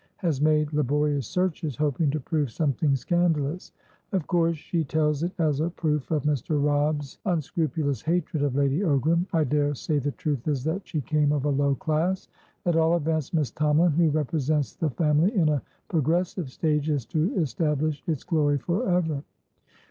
has made laborious searches, hoping to prove something scandalous. Of course she tells it as a proof of Mr. Robb's unscrupulous hatred of Lady Ogram. I daresay the truth is that she came of a low class. At all events, Miss Tomalin, who represents the family in a progressive stage, is to establish its glory for ever.